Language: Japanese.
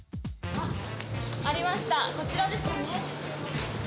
あっ、ありました、こちらですかね。